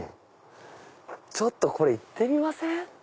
ちょっとこれ行ってみません？